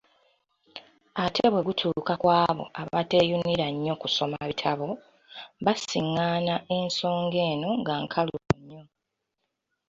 Ate bwe gutuuka kwabo abateeyunira nnyo kusoma bitabo, basiŋŋaana ensonga eno nga nkalubo nnyo.